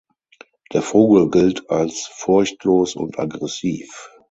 Der Vogel gilt als furchtlos und aggressiv.